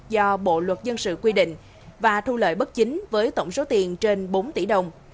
do bộ luật dân sự quy định và thu lợi bất chính với tổng số tiền trên bốn tỷ đồng